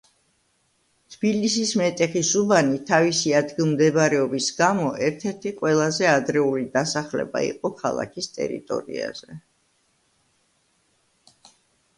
თბილისის მეტეხის უბანი თავისი ადგილმდებარეობის გამო ერთ-ერთი ყველაზე ადრეული დასახლება იყო ქალაქის ტერიტორიაზე.